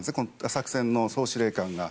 作戦の総司令官が。